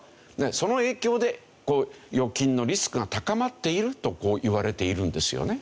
その影響で預金のリスクが高まっていると言われているんですよね。